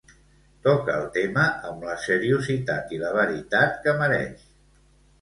Toca el tema amb la seriositat i la veritat que mereix.